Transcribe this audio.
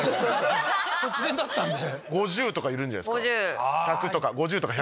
突然だったんで。